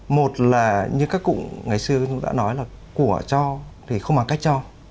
một là như các cụng ngày xưa chúng ta nói là của cho thì không bằng cách cho